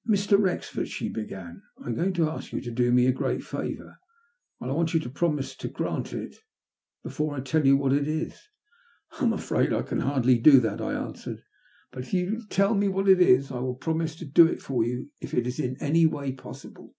" Mr. Wrexford," she began, " I am going to ask yon to do me a great favour, and I want you to promise me to grant it before I tell you what it is." "I'm afraid I can hardly do that," I answered. But if you will tell me what it is, I will promise to do it for you if it is in any way possible."